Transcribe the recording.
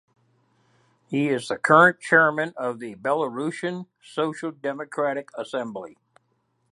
He is the current chairman of the Belarusian Social Democratic Assembly.